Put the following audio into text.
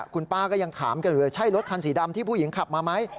คุณป้าก็ยังถามกันอยู่เลยใช่รถคันสีดำที่ผู้หญิงขับมาไหม